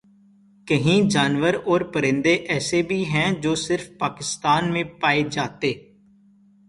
کہیں جانور اور پرندے ایسے بھی ہیں جو صرف پاکستان میں پائے جاتے